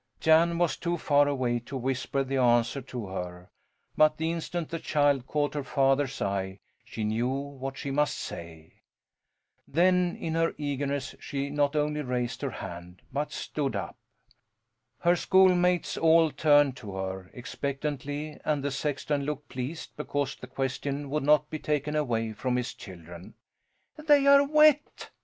Jan was too far away to whisper the answer to her; but the instant the child caught her father's eye she knew what she must say. Then, in her eagerness, she not only raised her hand, but stood up. Her schoolmates all turned to her, expectantly, and the sexton looked pleased because the question would not be taken away from his children. "They are wet!"